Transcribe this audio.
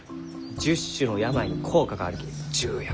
１０種の病に効果があるき十薬。